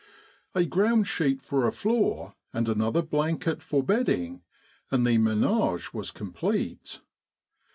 A ground sheet for a floor, and another blanket for bedding, and the menage was complete.